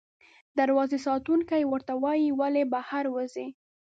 دروازې ساتونکی ورته وایي، ولې بهر وځې؟